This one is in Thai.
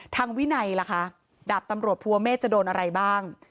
วินัยล่ะคะดาบตำรวจภูเมฆจะโดนอะไรบ้าง